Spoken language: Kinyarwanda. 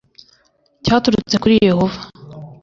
cyaturutse kuri Yehova